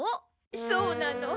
そうなの。